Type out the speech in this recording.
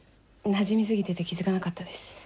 なじみすぎてて気づかなかったです。